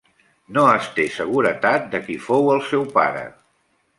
No es té seguretat de qui fou el seu pare.